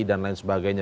dan lain sebagainya